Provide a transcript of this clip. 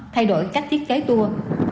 thay đổi các thiết kế tour